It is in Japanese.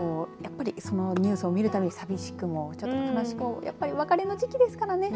そのニュースを見るたびに寂しくも、悲しくもやっぱり別れの時期ですからね。